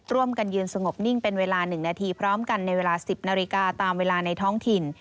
ยืนสงบนิ่งเป็นเวลา๑นาทีพร้อมกันในเวลา๑๐นาฬิกาตามเวลาในท้องถิ่น